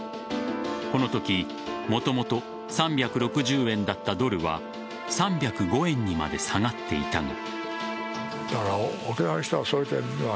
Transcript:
このときもともと３６０円だったドルは３０５円にまで下がっていたが。